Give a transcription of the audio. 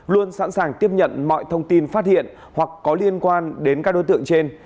luôn sẵn sàng tiếp nhận mọi thông tin phát hiện hoặc có liên quan đến các đối tượng trên